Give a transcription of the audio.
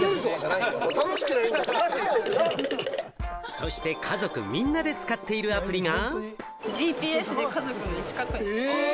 そして家族みんなで使っているアプリが。